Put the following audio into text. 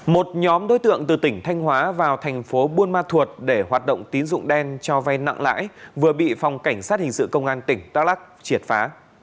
một nhóm đối tượng từ tỉnh thanh hóa vào thành phố buôn ma thuột để hoạt động tín dụng đen cho vay nặng lãi vừa bị phòng cảnh sát hình sự công an tỉnh đắk lắc triệt phá